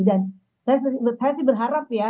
dan saya sih berharap ya